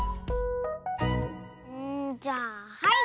うんじゃあはい！